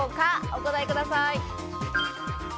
お答えください。